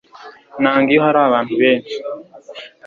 Nanga iyo hari abantu benshi.